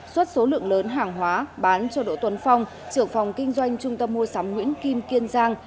xuất số lượng lớn hàng hóa bán cho đỗ tuấn phong trưởng phòng kinh doanh trung tâm mua sắm nguyễn kim kiên giang